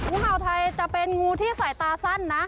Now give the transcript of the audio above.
งูเห่าไทยจะเป็นงูที่ใส่ตาสั้นนะ